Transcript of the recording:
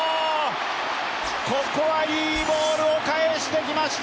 ここはいいボールを返してきました。